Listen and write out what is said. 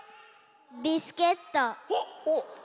ビスケット。